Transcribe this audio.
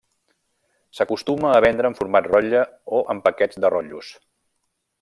S'acostuma a vendre en format rotlle o en paquets de rotllos.